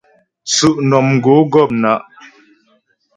Tsʉ'mnɔmgǒ gɔ̂pnǎ'.